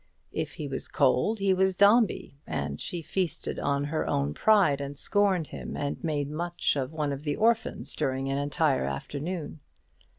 If he was cold, he was Dombey; and she feasted on her own pride, and scorned him, and made much of one of the orphans during an entire afternoon.